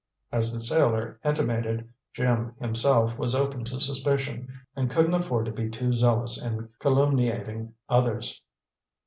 As the sailor intimated, Jim, himself, was open to suspicion, and couldn't afford to be too zealous in calumniating others.